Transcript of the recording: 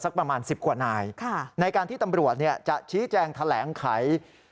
ประมาณ๑๐กว่านายในการที่ตำรวจจะชี้แจงแถลงไข